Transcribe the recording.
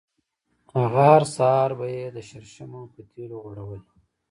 هغه هر سهار به یې د شرشمو په تېلو غوړولې.